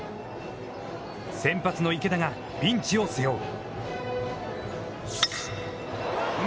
先発の池田がピンチを背負う。